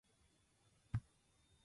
美しき薔薇に希望と夢を与えましょう